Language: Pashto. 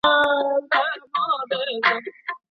که زده کوونکی ښه استدلال وکړي نو پوهه یې ژوره ده.